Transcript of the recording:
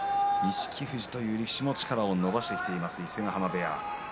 錦富士という力士も力を伸ばしてきています。